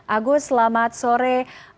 agus selamat sore